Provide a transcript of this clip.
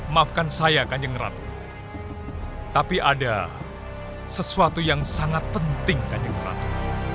maafkan saya kanjeng ratu tapi ada sesuatu yang sangat penting kanjeng ratu